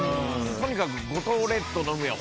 とにかく。